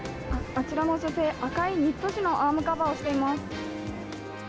あちらの女性、赤いニット地のアームカバーをしています。